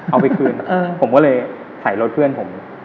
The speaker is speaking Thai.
เอาไปคืนผมก็เลยใส่รถเพื่อนผม